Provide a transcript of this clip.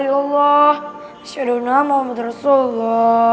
insya allah nama muhammad rasulullah